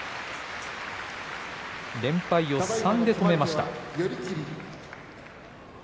連敗を３で止めました。